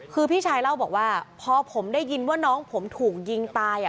คือพี่ชายเล่าบอกว่าพอผมได้ยินว่าน้องผมถูกยิงตาย